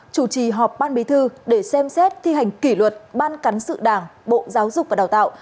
chủ trì họp ban bí thư để xem xét thi hành kỷ luật ban cán sự đảng bộ giáo dục và đào tạo